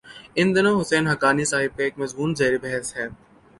ان دنوں حسین حقانی صاحب کا ایک مضمون زیر بحث ہے۔